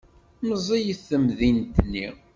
Meẓẓiyet temdint-nni.